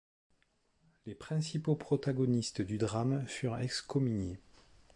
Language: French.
Les principaux protagonistes du drame furent excommuniés.